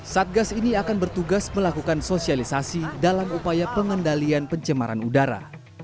satgas ini akan bertugas melakukan sosialisasi dalam upaya pengendalian pencemaran udara